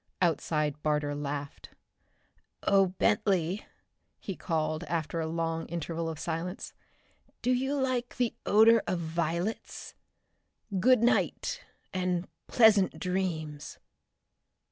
Outside Barter laughed. "Oh, Bentley," he called after a long interval of silence, "do you like the odor of violets? Goodnight, and pleasant dreams!"